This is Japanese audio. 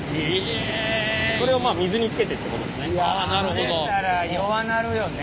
それをまあ水につけてってことですね。